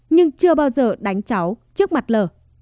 nhưng chưa bao giờ đánh cháu trước mặt l